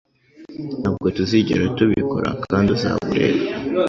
Ntabwo tuzigera tubikora kandi uzaba ureba.